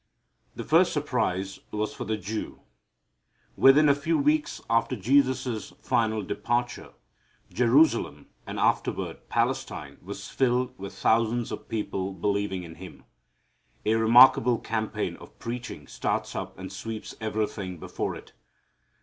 The first surprise was for the Jew. Within a few weeks after Jesus' final departure, Jerusalem, and afterward Palestine, was filled with thousands of people believing in Him. A remarkable campaign of preaching starts up and sweeps everything before it.